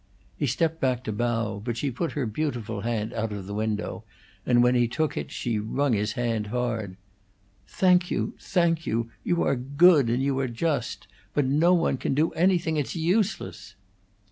He stepped back to bow, but she put her beautiful hand out of the window, and when he took it she wrung his hand hard. "Thank you, thank you! You are good and you are just! But no one can do anything. It's useless!"